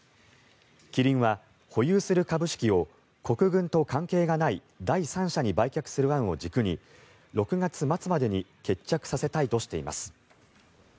キリンは保有する株式を国軍と関係がない第三者に売却する案を軸に６月末までに決着させたいとしています。